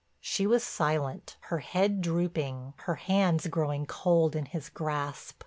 She was silent, her head drooping, her hands growing cold in his grasp.